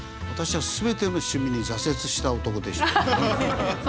私は全ての趣味に挫折した男でしてね。